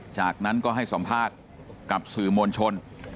จากนั้นก็ให้สัมภาษณ์กับสื่อมวลชน